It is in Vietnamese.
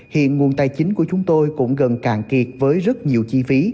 hiện nguồn tài chính của chúng tôi cũng gần cạn kiệt với rất nhiều chi phí